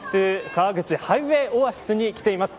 川口ハイウェイオアシスに来ています。